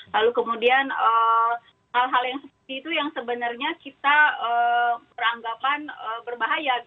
lalu kemudian hal hal yang seperti itu yang sebenarnya kita beranggapan berbahaya